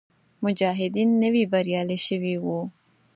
مجاهدین نوي بریالي شوي وو.